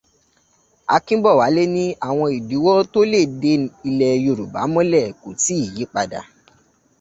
Akínbòwálé ni àwọn ìdíwọ́ tó lè de ilẹ̀ Yorùbá mọ́lẹ̀ kò tíì yí padà.